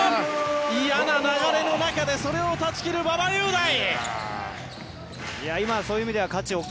嫌な流れの中でそれを断ち切る馬場雄大！